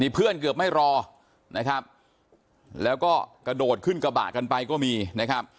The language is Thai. เพื่อนเกือบไม่รอนะครับแล้วก็กระโดดขึ้นกระบะกันไปก็มีนะครับ